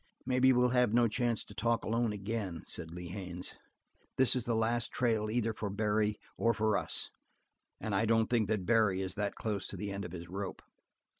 "Maybe we'll have no chance to talk alone again," said Lee Haines. "This is the last trail either for Barry or for us. And I don't think that Barry is that close to the end of his rope.